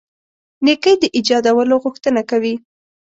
نېکۍ د ایجادولو غوښتنه کوي.